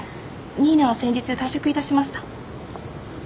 新名は先日退職いたしました。